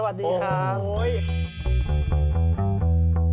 สวัสดีครับสวัสดีครับ